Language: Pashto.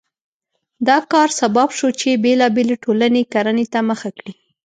دا کار سبب شو چې بېلابېلې ټولنې کرنې ته مخه کړي.